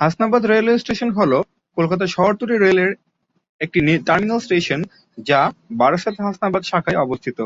Hasnabad railway station হল কলকাতা শহরতলি rail এর একটি টার্মিনাল স্টেশন যা বারাসত-হাসনাবাদ শাখায় অবস্থিত।